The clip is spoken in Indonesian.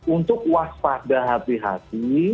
untuk waspada hati hati